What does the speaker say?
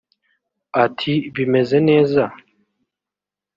Ati “Bimeze neza